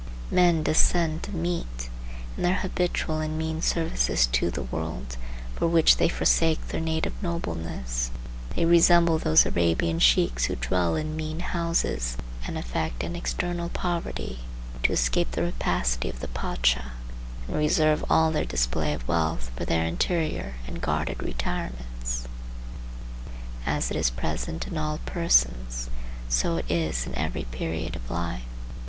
Men descend to meet. In their habitual and mean service to the world, for which they forsake their native nobleness, they resemble those Arabian sheiks who dwell in mean houses and affect an external poverty, to escape the rapacity of the Pacha, and reserve all their display of wealth for their interior and guarded retirements. As it is present in all persons, so it is in every period of life.